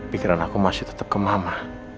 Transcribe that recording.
pikiran aku masih tetap ke mama